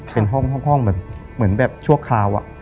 เป็นห้องแบบเหมือนแบบชั่วคราว